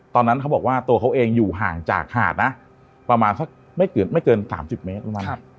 ตอนนั้นเขาบอกว่าตัวเขาเองอยู่ห่างจากหาดนะประมาณสักไม่เกิน๓๐เมตรประมาณ